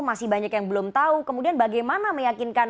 masih banyak yang belum tahu kemudian bagaimana meyakinkan